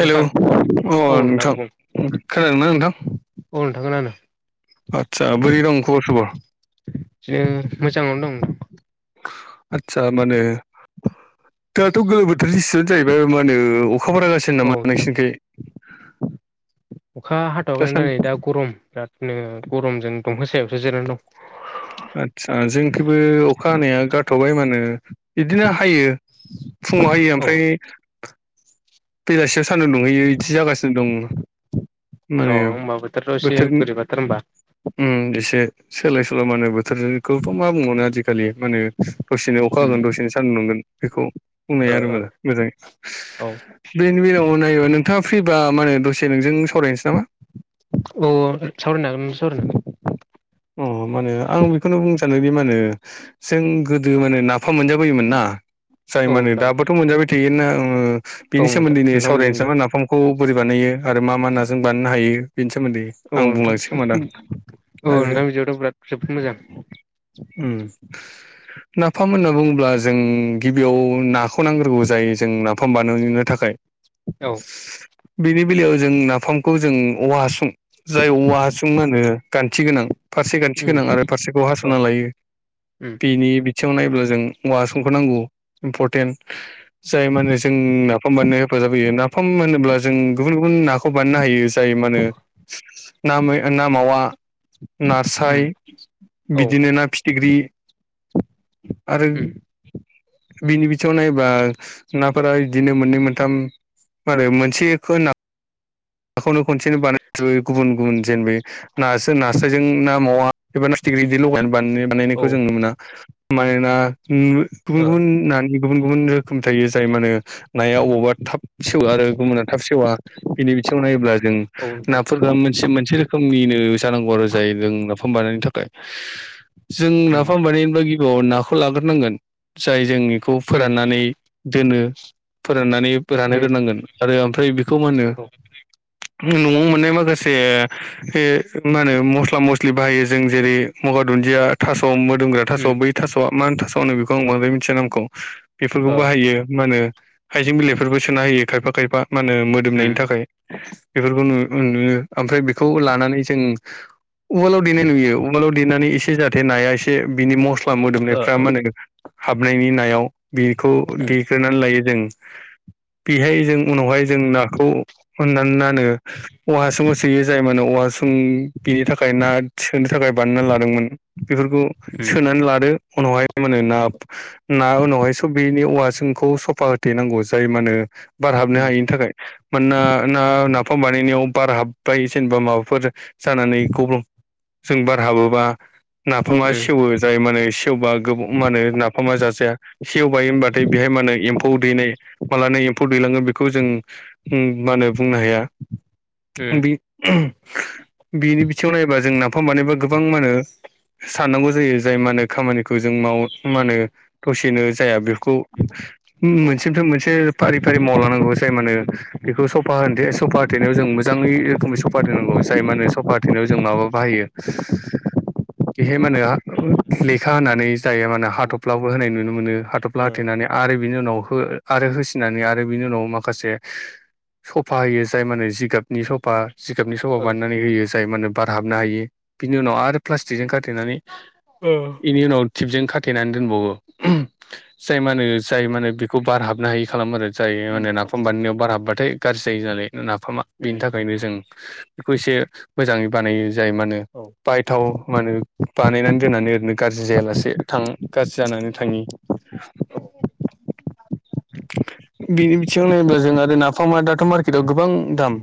Hello औ अ' नोंथां बुं खोनादोंना नोंथां? औ नोंथां खोनादो। आदसा बोरै दं खबर सबर? बिदिनो मोजाङावनो दं। आतसा मानो दाथ' गोलोम बोथोरनि सिनो जाहैबाय मा होनो अखा बारा जा औ अखा हाथ'खै दा दासान्दि नै दा गरम बिरादनो गरमजों दंफां सायावसो जिरनानै दं। आदसा जोंखैबो अखा हानाया गारथ'बाय मानो बिदिनो हायो फुङाव होयो दं औ ओमफ्राय बेलासियाव सान्दुं दुंहैयो इदि जागासिनो दं। माने अ होमबा बोथोरथ' एसे बोथोरनि बोरै बाथार होमबा। उम एसे सोलाय सोल' मा होनो बोथोरखौथ' मा बुंबावनो आजि खालि माहोनो दसेनो अखा उम होगोन दसेनो सान्दुं नांगोन बेखौ बुंनाया ओ आरो मोजां मोजाङै। ओ औ बेन बेलामाव नायोबा नोंथाङा फ्रिबा मा होनो दसे नोंजों सावरायनोसै नामा? अ सावरायनो हागोन सावरायनो। अ माने आं बेखौनो बुंसै जानो बे मा होनो जों गोदो माने नाफाम मोनजाबोयोमोन ना जाय मानोे हागोन दाबोथ' मोनजाबाय थायोना ओ उम औ बिनि नोंथां सोमोन्दैनो औ नोंथां मोजां मोजां सावरायनोसै नामा नाफामखौ खौ बोरै बानायो आरो मा मा नाजों बानायनो हायो बेनि सोमोन्दै औ आं नोंथां बुंलांसै खोमा दां। औ नोंथां बिदिबाथ' बिराद जोबोद मोजां। उम नाफाम होनना बुङोब्ला जों गिबियाव नाखौ नांग्रोगौ जायो जों नाफाम बानायनो थाखाय। औ बेनि बेलायाव जों नाफामखौ जों औवा हासुं जाय औवा हासुं होनो गान थि गोनां फारसे गान्थि उम गोनां आरो फारसेखौ औ हास'ना लायो उम बिनि थिङाव नायोब्ला जों औवा समखौ नांगौ इम्परटेन्ट जाय मा होनो जोंना नाफाम बानायनायाव हेफाजाब होयो नाफाम होनोब्ला जों गुबुन गुबुन नाखौ बायनो हायो। जायो मा होनो नामै नामावा उम नासाय औ बिदिनो ना फिथिख्रि आरो उम बिनि बिथिङाव नायबा नाफोरा इदिनो मोननै मोनथाम मा होनो मोनसेखो ना नाखौनो खनसेनो बानाय जोबो गुबुन गुबुन जेन बे ना जों नास्रायजों ना मावा एबा नाफिथिग्रि इदि लगायनानै बानाय औ बानायनायखौ जों ओ ननो मोना मानोना उम ओ गुबुन गुबुन नानि गुबुन गुबुन रोखोम थायो जाय माहोनो नाया अबावबा थाब सेवो आरो गुबुना थाब सेवा। बिनि बिथिङाव नायोब्ला जों औ नोंथां नाफोरखौ मोनसे मोनसे रोखोमनिनो जांगौ आरो जाय जों नाफाम बानायनायनि थाखाय जों उम नाफाम बानायनायनि गि आव नाखौ लाग्रोनांगोन जाय जोंनि खौ उम फोराननानै दोनो फोराननानै उम रानहोग्रोनांगोन। आरो ओमफ्राय बेखौ मा औ होनो न'आव मोननाय माखासे हे मा होनो मस्ला मस्लि बाहायो जों जेरै मगा दुन्दिया थास' मोदोमग्रा थास' उम बै थास' मा होन थास' होनो बिखौ आं बांद्राय मिथिया नामखौ बेफोरखौ औ बाहायो मा होनो हाइजें बिलाइफोरबो सोना होयो खायफा खायफा माने मोदोमनायनि उम थाखाय। बेफोरखौ नु नुयो ओमफ्राय बेखौ लानानै जों जों उवालाव देनाय नुयो उवालाव देनानै एसे जाहाथे नाया एसे बिनि मस्ला बा ओ मोदोमनायफ्रा औ मा होनो हाबनायनि नायाव बेखौ उम देग्रोनानै लायो जों बेहाय जों उनावहाय जों नाखौ हाननानै औवा हासुङाव सोयो जाय माने औवा हासुं बेनि थाखाय ना सोनो थाखाय बानायना लादोंमोन बेफोरखौ उम सोनानै लादो उनावहाय मा होनो ना उनावहाय सब बेनि औवा हासुंखौ सफा होथेनांगौ। जाय मा होनो बार हाबनो उम हायिनि थाखाय। मानोना ना-नाफाम बानायनायाव बार हाबबाय जेनेबा माबाफोर जानानै गल्बंजों बार हाबोबा नाफामा उम सेवो। जाय सेवबा मा होनो गो नाफामा जाजाया। सेवबाय होनबाथाय बेहाय मानो एम्फौ दैनाय मालानो एम्फौ दैलाङो बेखौ जों मा होनो बुंनो हाया उम बे बिनि बिथिङाव नायोबा जों नाफाम बानायबा गोबां मा होनो साननांगौ जायो जाय माने खामानिखौ जों मावो मा होनो दसेनो जाया बेखौ औ मोनसेनिफ्राय मोनसे फारि फारि मावलांनांगौ जाय मा होनो। बेखौ सफा सफा होथेनायाव जों मोजाङै रोखोमै सफा होथेनांगौ। जाय मा होने सफा होथेनायाव जों माबा बाहायो बेहाय मा होनो लेखा होनानै जायो माने औ हाथ'फ्लाबो होनाय नुनो मोनो हाथफ्ला ओ होथेनानै आरो बिनि उनाव हो आरो होसिनानै आरो बिनि उनाव माखासे सफा होयो जाय माने जिगाबनि सफा जिगाबनि स बानायनानै होयो जाय मा होनो बार हाबनो हायि। बिनि उनाव आरो प्लास्टिकजों खाथेनानै ओ। बेनि उनाव टिपजों खाथेनानै दोनबावो। जाय मा होनो जाय मा होनो बेखौ बार हाबनो हायि खालामो आरो। जायो उम माने नाफाम बानायनायाव बार हाबबाथाय गाज्रि जायो नालाय नाफामा। बेनि उम थाखायनो जों बेखौ एसे मोजाङै बानायो। जाय मा होनो औ। बाहायथाव मा होनो बानायनानै दोननानै ओरैनो गाज्रि जायालासे थां गाज्रि जानानै थाङि। औ बिनि बिथिङाव नायोब्ला जों आरो नाफामा दाथ' मार्केटआव गोबां दाम।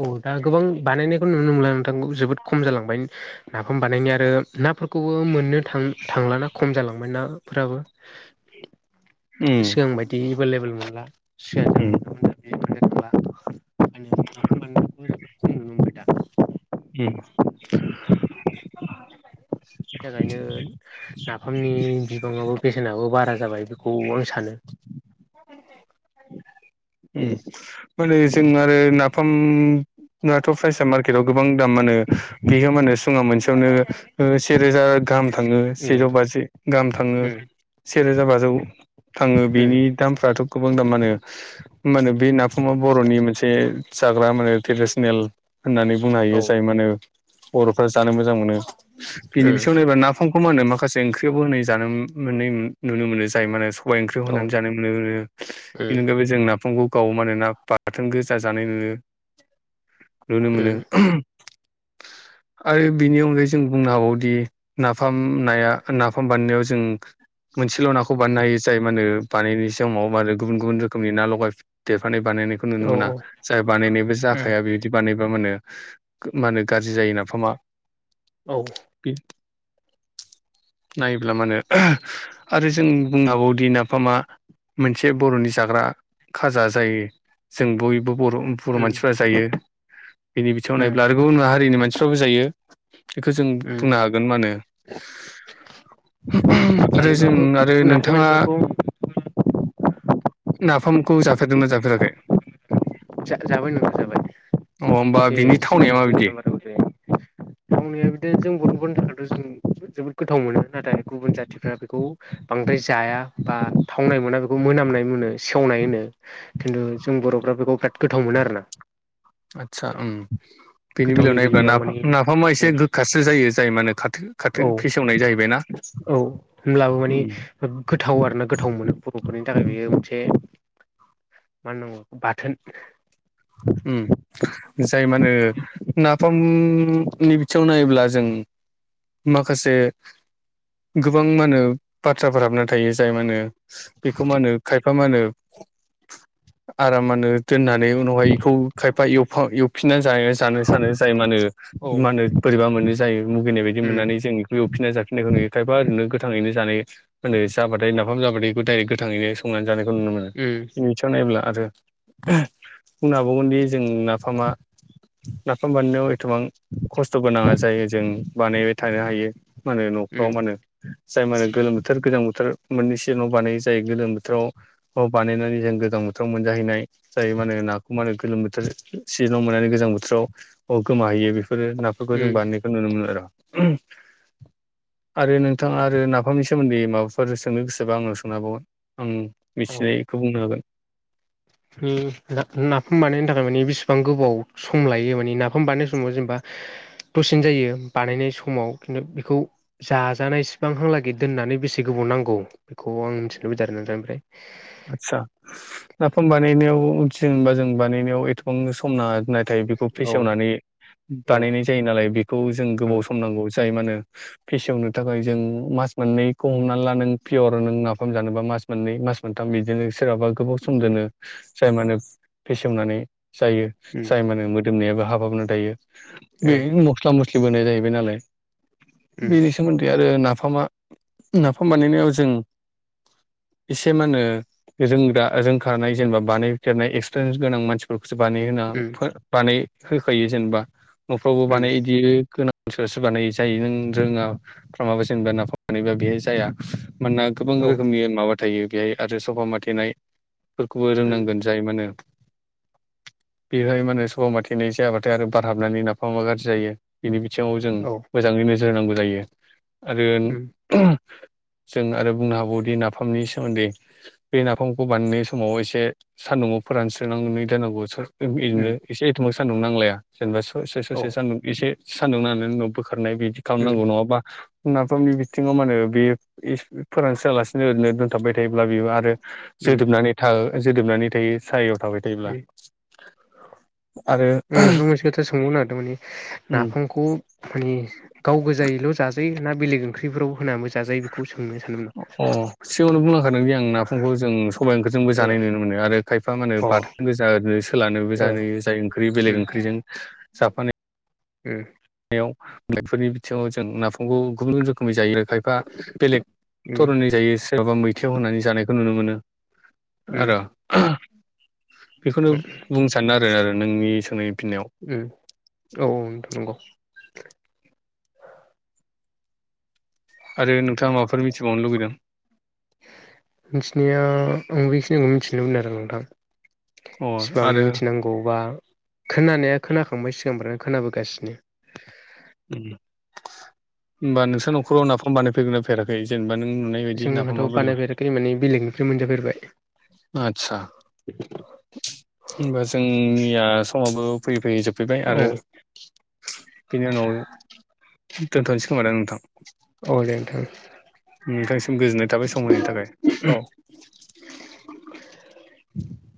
औ दा गोबां बानायनायखौ नुनो मोनला नोंथां जोबोद खम जालांबाय। नाफाम बानायनाय आरो नाफोरखौबो मोननो थां-थांलाना खम जालांबाय नाफोराबो। [inaudible] उम सिगांनि बायदि एभेलेबोेल मोनला। सिगां जा उम। मोनोमोन दा बे मोननो थांला ओंखायनो नाफाम बानायनायखौबो [inaudible] उम। बिनि थाखायनो नाफामनि बिबाङावबो बेसेनाबो बारा जाबाय बेखौ आं सानो। माने जों आरो नाफाम आथ' प्राइसआ मार्केटव गोबां दाम मा होनो बियो मा होनो सुङा मोनसेयावनो ओ सेरोजा गाहाम थाङो उम सेजौ बाजि गाहाम थाङो। उम सेरोजा बाजौ थाङो। उम बेनि दामफ्राथ' गोबां दाम मा होनो मा होनो बे नाफामा बर'नि मोनसे जाग्रा माने ट्रेडिसनेल होननानै बुंनो औ हायो जाय मा होनो बर'फ्रा जानो मोजां मोनो। बिनि उम बिथिंआव नायोब्ला नाफामखौ मा होनो माखासे ओंख्रियावबो होनानै जानो मोननाय नुनो मोनो जाय मा होनो सबाय ओंख्रियाव औ होननानै जानो मोनो बेनि उम अनगायबो जों नाफा मखौ गाव मानोना बाथोन गोजा जानाय नुयो। नुनो उम मोनो। आरो बिनि अनगायै जों बुंनो हाबावदि नाफाम नाया नाफाम बाननायाव जों मोनसेल' नाखौ बानायनो हायो जाय मा होनो बानायनाय समाव मा होनो गुबुन गुबुन रोखोमनि ना लगाय देफानाय बानायनायखौ नुनो औ मोना। जाय बानायनायबो जाखाया बे बिदि बानायबा मा होनो मा होनो गाज्रि जायो नाफामा। औ। पिट नायोब्ला मानो आरो जों बुंनो हागौदि नाफामा मोनसे बर'नि जाग्रा खाजा जायो जों बयबो बर' बर' मानसिफ्रा जायो बिनि बिथिंङाव नायब्ला आरो गुबुन हारिनि मानसिफ्राबो जायो बेखौ जों बुंनो हागोन मा होनो आरो जों जायोब्लाबो आरो गुबुन हारि नोंथाङा मानसिफोरखौ नाफामखौ जाफेरदोंना जाफेराखै जा-जाबाय नोंथां जाबाय अ होमबा जे बिनि थावनाया माबायदि [unintelligible] मावावनाया बिदिनो जों बर'फोरनि थाखायथ' जों जोबोद गोथाव मोनो। नाथाय गुबुन जाथि फ्रा बेखौ बांद्राय जाया बा थावनाय मोना बेखौ मोनामनाय मोनो सेवनाय होनो। खिन्थु जों बर'फ्रा बेखौ बिराद गोथाव मोनो आरोना। आटचा ओम बेनि बेलायाव गोथावनि नायोबा माने नाफ-नाफामा एसे गोखासो जायो जाय मा होनो खाथो खाथो औ फेसेवनाय जाहैबायना। औ होमब्लाबो माने उम। गोथाव आरो ना गोथाव मोनो बर'फोरनि थाखाय बेयो मोनसे मा होननांगौ बाथोन ओ जाय मा होनो नाफामनि बिथिङाव नायोब्ला जों माखासे गोबां मा होनो बाथ्राफोर हाबना थायो जाय मा होनो बेखौ मा होनो खायफा मा होनो आरामानो दोननानै उनावहाय इखौ खायफा एयफा एव फिननानै जानो जानो सानो जाय मा होनो औ मा होनो बोरैबा मोनो जायो मुगैनाय बायदि उम मोननानै जों एव फिनाय जाफिनायखौ नुयो खायफा ओरैनो गोथाङैनो जानाय मा होनो जाबाथाय नाफाम जाबाथाय एखौडाइरेक्ट गोथाङैनो संनानै जानायखौ नुनो मोनो उम बिथिंङाव नायब्ला आरो बुंनो हाबावगोनदि जों नाफामा नाफाम बानायनायाव ए एथबां खस्थ'बो नाङा जायो जों बानायबाय थानो हायो मा होनो न'फ्राव उम मा होनो थो जाय मानो गोलोम बोथोर गोजां बोथोर मोननै सिगाङाव बानाय जायो गोलोम बोथोराव आव बानायनानै जों गोजां बोथोराव मोनजाहैनाय जायो मान नाखौ मा होनो गोलोम बोथोर सिजोनाव मोननानै गोजां बोथोराव गोमाहैयो बेफोरो नाफोरखौ जों उम बानाय खो नुनो मोना र' आरो नोंथाङा आरो नाफामनि सोमोन्दै माबाफोर सोंनो गोसोबा आंनाव सोंनो हाबावगोन आं मिथिनायखौ बुंनो हागोन ओ नाफाम बानायनो थाखाय माने बेसेबां गोबाव सम लायो माने नाफाम बानानाय समाव जेनेबा दसेनो जायो बानायनाय समाव खिन्थु बेखौ जाजानायसिबां हांलागै दोननानै बेसे गोबाव नांगौ बेखौ आं मिथिनो लुबैदों आरो नोंथां ओमफ्राय आदसा नाफाम बानायनायाव जेनबा जों बानायनायाव एथ' गोबां सम नाङा नाथाय बेखौ औ फेसेवनानै औ बानायनाय जायो नालाय बेखौ जों औ गोबाव सम नांगौ जाय मा होनो फेसेवनो थाखाय जों मास मोननैखौ हमनानै ला नों पियर नों नाफाम जानोबा मास मोननै मास मोनथाम बिदिनो सोरहाबा गोबाव उम उम समदोनो जाय मानो फेसेवनानै जायो जाय उम माहोनो मोदोमनायाबो हाबाबना थायो औ बेनो मस्ला मस्लि बोनाय जाहैबाय नालाय उम औ बेनि उम सोमोन्दै आरो नाफामा नाफाम बानायनायाव जों से मा होनो रोंग्रा रोंखानाय जेनेबा बानायफेरनाय एक्सपिरियेन्स गोनां मानसि सो बानाय होना बानाय होखायो जेनेबा न'फ्रावबो बानाय बिदि ग सोर बानाय जायो नों रोङा फमाबा जेनेबा नाफनानैबा बेहाय जाया मानोना गोबां उम औ रोखोमनि माबा थायो बेहाय आरो सफा माथेनायफोरखौबो उम रोंनांगोन ज म बेहाय माने सह माथिनाय जायाबाथाय आरो बार हाबनानै ना मा गाज्रि जायो बिनि बिथिङाव जों मोजाङै नोजोर होनांगौ जायो आरो जों आरो बुंनो हागौदि नाफामनि सोमोन्दै बे नाफामखौ बानायनाय समाव एसे सान्दुंआव फोरानस्रनानै दोननांगौ बिदिनो एसे एथमक सान्दुं नांलाया जेनेबा स ससे सान्दुं एसे सान्दुं होननानै उनाव बोखारनाय बिदि खालामनांगौ नङाबा नाफामनि बिथिङाव माने बे फोरोंसोयालासिनो ओरैनो दोनथाबबाय थायोब्ला बे आरो उम जोदोबनानै थ जोदोबनानै थायो साययाव थाबाय थायोब्ला उम आरो नों मोनसे खोथा सोंनो नागिरदों माने उम नाफामखौ माने गाव गोजायैल' जाजायो ना बेलेग ओंख्रिफ्रोराव होनानै जाजायो बेखौ सोंनो सानदोंमोन आं सिगांवनो बुंलांखादोंदि आं नाफामखौ जों सबाय ओंख्रिजोंबो आं जानाय नुनो मोनो आरो खायफा मा होनो ओ अ बाथ ओ सोललानोबो औ जायनायनुयो ओंख्रि बेलेग ओंख्रिजों जाफानाय ओम फोरनि बिथिङाव जों [unintelligible] नाफामखौ गुबुना गुबुन रोखोमनि जायो लेखाय बा बेलेग उम दननि जायो सोरबाबा मैथायाव होनानै जानायखौ नुनो मोनो ओ उम र बेखौनो बुंनो सानो सानो आरो आरो नोंनि सोंनायनि फिननायाव उ औ औ नोंथां नंगौ [inaudible] आरो नोंथाङा माबाफोर मिथिबावनो लुगैदों मिथिनाया आं बेखिनिखौ मिथिनो लुबैदों आरो नोंथां अ इसिबां आरो मिथिनांगौबा खोनानाया खोनाखांबाय सिगांफ्रानो खोनाबोगासिनो होनोमबा नोंसोर न'खराव नाफाम बानायफेरगोन ना फेराखै जेनेबा नों नुनाय बायदि नाफामा जोंहाथ' बोरैबा बानायफेराखै माने बेलेगनिफ्राय मोनजाफेरबाय आदसा होनबा जोंनिया समाबो फैयै फैयै जोब सफैबाय औ आरो बिनि उनाव दोनथ'नोसै खोमा आरो नोंथां औ दे नोंथां नोंथांनिसिम गोजोननाय थाबाय सम होनायनि औ थाखाय